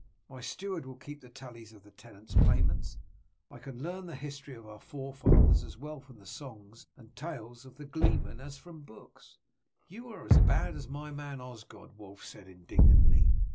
My steward will keep the tallies of the tenants' payments. I can learn the history of our forefathers as well from the songs and tales of the gleemen as from books." "You are as bad as my man Osgod," Wulf said indignantly.